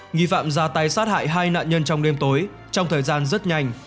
nghi phạm ra tay sát hại hai nạn nhân trong đêm tối trong thời gian rất nhanh